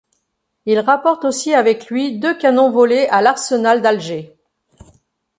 Il rapporte aussi avec lui deux canons volés à l'arsenal d'Alger.